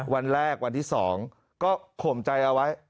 วันแรกวันที่๒ก็ข่มใจเอาไว้